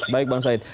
baik bang said